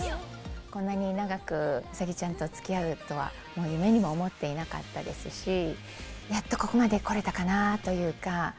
こんなに長くうさぎちゃんとつきあうとは、もう夢にも思っていなかったですし、やっとここまで来れたかなというか。